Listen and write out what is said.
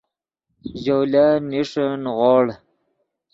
ژولن نیݰے نیغوڑ